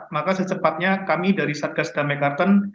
maka secepatnya kami dari satgas damai karten